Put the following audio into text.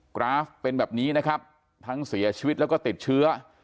กราฟเป็นแบบนี้นะครับทั้งเสียชีวิตแล้วก็ติดเชื้อ